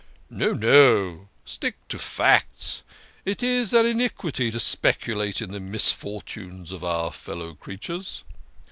" No, no ; stick to facts. It is an iniquity to speculate in the misfortunes of our fellow creatures."